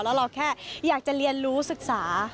แล้วเราแค่อยากจะเรียนรู้ศึกษา